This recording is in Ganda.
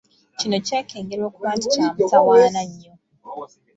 Kino kyekengerwa okuba nti kya mutawaana nnyo.